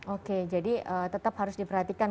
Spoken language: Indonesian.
oke jadi tetap harus diperhatikan